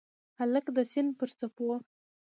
هلک د سیند پر څپو